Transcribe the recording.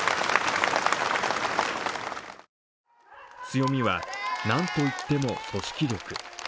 強みは、なんといっても組織力。